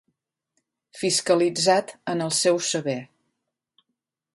Fiscalitzat en el seu saber.